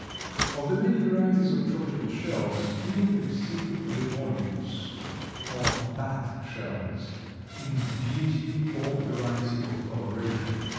Of the many varieties of tropical shells, few exceed the Volutes, or bat shells, in beauty or variety of coloration.